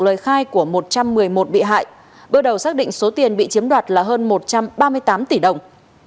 lời khai của một trăm một mươi một bị hại bước đầu xác định số tiền bị chiếm đoạt là hơn một trăm ba mươi tám tỷ đồng